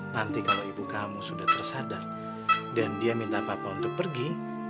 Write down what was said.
nanti kalau ibu kamu sudah tersadar dan dia minta papa untuk pergi